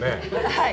はい！